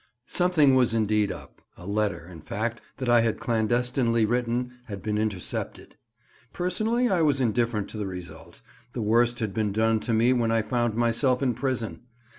SOMETHING was indeed up; a letter, in fact, that I had clandestinely written had been intercepted. Personally I was indifferent to the result; the worst had been done to me when I found myself in prison.